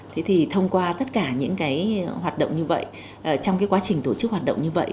thế thì thông qua tất cả những cái hoạt động như vậy trong cái quá trình tổ chức hoạt động như vậy